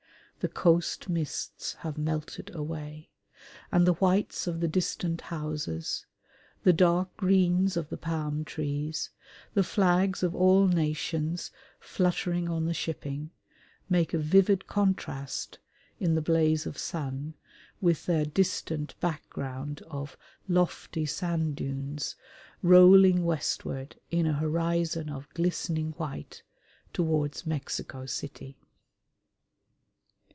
The coast mists have melted away, and the whites of the distant houses, the dark greens of the palm trees, the flags of all nations fluttering on the shipping, make a vivid contrast in the blaze of sun with their distant background of lofty sand dunes rolling westward in a horizon of glistening white towards Mexico City.